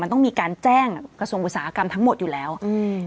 มันต้องมีการแจ้งกระทรวงอุตสาหกรรมทั้งหมดอยู่แล้วอืม